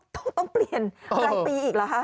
ต้องเปลี่ยนรายปีอีกเหรอคะ